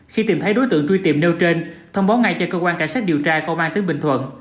khi tìm thấy đối tượng truy tìm nêu trên thông báo ngay cho cơ quan cảnh sát điều tra công an tỉnh bình thuận